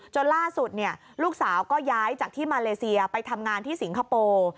ล่าสุดลูกสาวก็ย้ายจากที่มาเลเซียไปทำงานที่สิงคโปร์